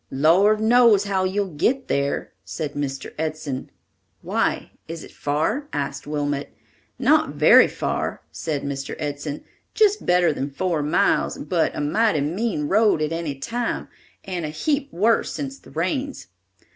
"Lord knows how you'll get there," said Mr. Edson. "Why, is it far?" asked Wilmot. "Not very far," said Mr. Edson, "little better than four miles, but a mighty mean road at any time and a heap worse since the rains.